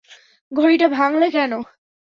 ঘড়িটা ভাঙ্গলে কেন?